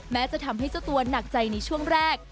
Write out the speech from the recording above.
จะทำให้เจ้าตัวหนักใจในช่วงแรก